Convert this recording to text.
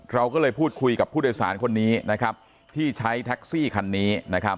เราก็เลยพูดคุยกับผู้โดยสารคนนี้นะครับที่ใช้แท็กซี่คันนี้นะครับ